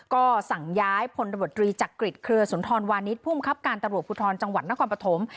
ก็สั่งย้ายพลตำรวจรีจักริจเครือสุนทรวานิสภูมิครับการตำรวจภูทรจังหวัดนครปฐม